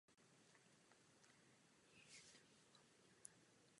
Vyšla dokonce i gramatika a na internetu lze najít řadu slovníků.